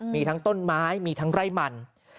มีทั้งต้นไม้มีทั้งไร่มัน